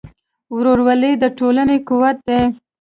ورورولي د ټولنې قوت دی.